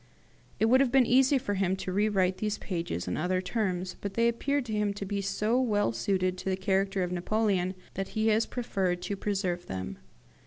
It would have been easy for him to rewrite these pages in other terms, but they appeared to him to be so well suited to the character of Napoleon that he has preferred to preserve them."